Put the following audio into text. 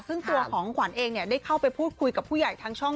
ซึ่งตัวของขวัญเองได้เข้าไปพูดคุยกับผู้ใหญ่ทางช่อง